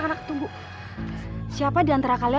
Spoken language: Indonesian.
kalian tunggu industri ini yuk